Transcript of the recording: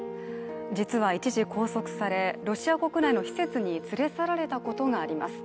実は一時、拘束されロシア国内の施設に連れ去られたことがあります。